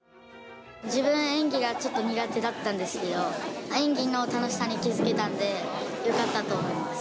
自分、演技がちょっと苦手だったんですけど、演技の楽しさに気付けたんで、よかったと思います。